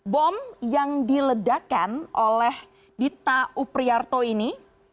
bom yang diledakan oleh dita upriarto ini